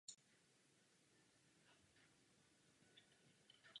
Píseň pochází z jejího třetího alba "Teenage Dream".